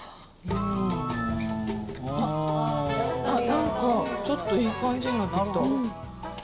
何かちょっといい感じになってきた。